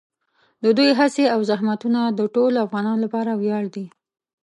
د دوی هڅې او زحمتونه د ټولو افغانانو لپاره ویاړ دي.